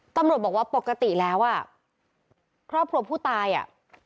ตำรวจบอกว่าปกติแล้วอ่ะครอบครัวผู้ตายอ่ะ